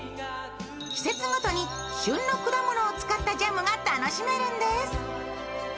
季節ごとに旬の果物を使ったジャムが楽しめるんです。